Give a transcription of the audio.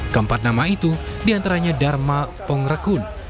keempat nama itu di antaranya dharma pengrekun